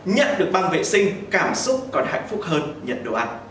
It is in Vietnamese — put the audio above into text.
nhận được bom vệ sinh cảm xúc còn hạnh phúc hơn nhận đồ ăn